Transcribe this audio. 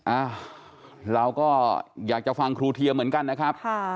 อ้าวเราก็อยากจะฟังครูเทียมเหมือนกันนะครับค่ะ